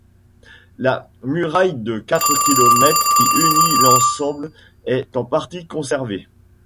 La muraille de quatre kilomètres qui unit l'ensemble est en partie conservée.